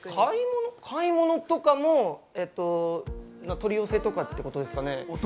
買い物とかも取り寄せってことですかね？